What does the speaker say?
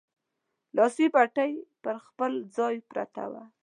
لاسي بتۍ پر خپل ځای پرته وه.